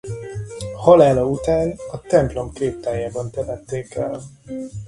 Halála után a templom kriptájában temették el.